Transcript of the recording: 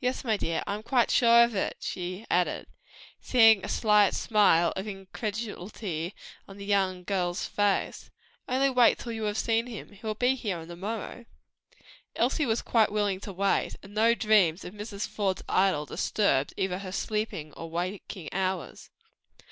Yes, my dear, I am quite sure of it," she added, seeing a slight smile of incredulity on the young girl's face; "only wait till you have seen him. He will be here to morrow." Elsie was quite willing to wait, and no dreams of Mrs. Faude's idol disturbed either her sleeping or waking hours.